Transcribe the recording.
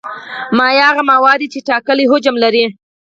مایع هغه مواد دي چې ټاکلی حجم لري.